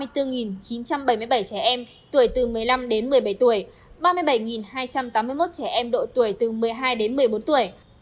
chín trăm bảy mươi bảy trẻ em tuổi từ một mươi năm đến một mươi bảy tuổi ba mươi bảy hai trăm tám mươi một trẻ em độ tuổi từ một mươi hai đến một mươi bốn tuổi